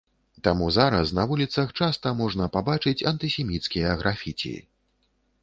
Таму зараз на вуліцах часта можна пабачыць антысеміцкія графіці.